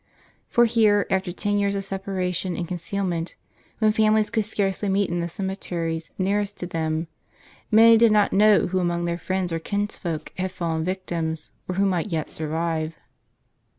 For here, after ten years of separation and concealment, when families could scarcely meet in the cemeteries nearest to them, many * Isaias xxxv. 1, 3. did not know who among friends or kinsfolk had fallen victims, or who might yet survive.